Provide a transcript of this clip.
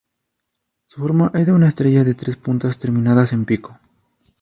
Su forma es de una estrella de tres puntas, terminadas en pico.